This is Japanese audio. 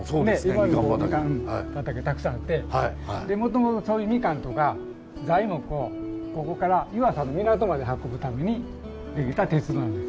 今でもみかん畑たくさんあってもともとそういうみかんとか材木をここから湯浅の港まで運ぶためにできた鉄道なんです